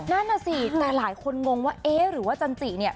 นั่นน่ะสิแต่หลายคนงงว่าเอ๊ะหรือว่าจันจิเนี่ย